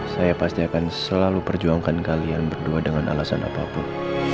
saya pasti akan selalu perjuangkan kalian berdua dengan alasan apapun